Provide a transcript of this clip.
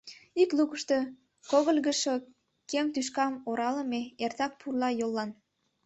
Ик лукышто когыльгышо кем тӱшкам оралыме — эртак пурла йоллан.